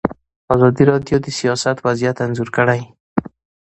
ازادي راډیو د سیاست وضعیت انځور کړی.